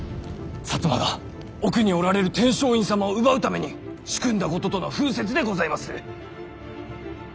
摩が奥におられる天璋院様を奪うために仕組んだこととの風説でございまする。